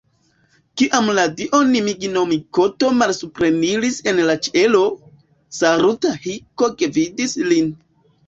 Kiam la dio Ninigi-no-mikoto malsupreniris el la ĉielo, Saruta-hiko gvidis lin.